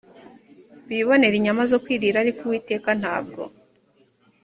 bibonere inyama zo kwirira ariko uwiteka ntabwo